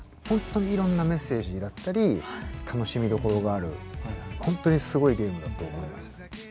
ほんとにいろんなメッセージだったり楽しみどころがあるほんとにすごいゲームだと思いますね。